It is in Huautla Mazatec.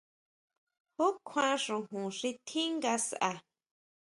¿Ju kjuan xojon xi tjín ngasʼa?